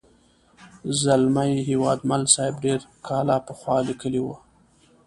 زلمي هیوادمل صاحب ډېر کاله پخوا لیکلې وه.